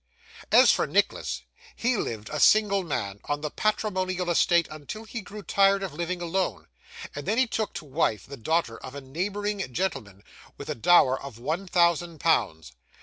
As for Nicholas, he lived a single man on the patrimonial estate until he grew tired of living alone, and then he took to wife the daughter of a neighbouring gentleman with a dower of one thousand pounds.